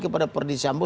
kepada perdisi ambo